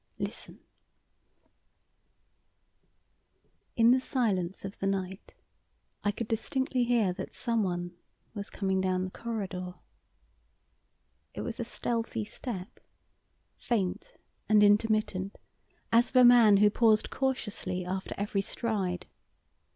Listen!" In the silence of the night I could distinctly hear that someone was coming down the corridor. It was a stealthy step, faint and intermittent, as of a man who paused cautiously after every stride.